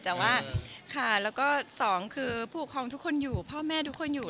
แล้วก็สองคือผู้ของทุกคนอยู่พ่อแม่ทุกคนอยู่